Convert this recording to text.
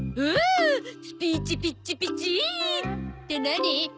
おスピーチピッチピチって何？